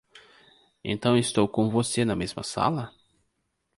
Então estou com você na mesma sala?